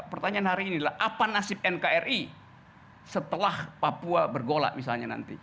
pertanyaan hari ini adalah apa nasib nkri setelah papua bergolak misalnya nanti